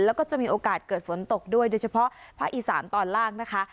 แล้วก็จะมีโอกาสเกิดฝนตกด้วยโดยเฉพาะภาคอีสานตอนล่างนะคะ